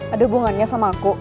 ada hubungannya sama aku